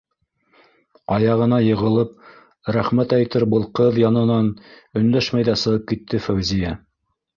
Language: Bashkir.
- Аяғына йығылып рәхмәт әйтер был ҡыҙ янынан өндәшмәй ҙә сығып китте Фәүзиә.